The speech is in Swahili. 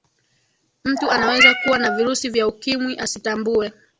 mtu anaweza kuwa na virusi vya ukimwi asitambue